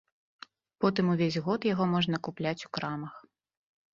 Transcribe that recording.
Потым увесь год яго можна купляць у крамах.